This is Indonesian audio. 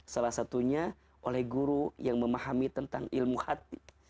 salah satunya oleh guru yang memahami tentang ilmu hati